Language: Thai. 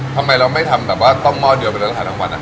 ทำไมเราไม่ทำต้มหม้อเดียวไปแล้วขายทั้งวันอ่ะ